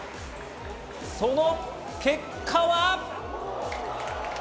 その結果は？